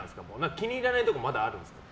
気に入らないところまだあるんですか？